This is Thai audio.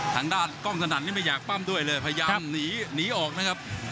ทางด้านกล้องสนั่นนี่ไม่อยากปั้มด้วยเลยพยายามหนีหนีออกนะครับ